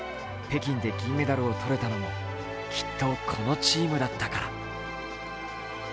北京で銀メダルを取れたのもこのチームだったから。